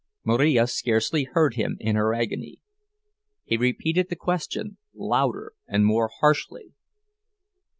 Marija scarcely heard him in her agony. He repeated the question, louder and yet more harshly.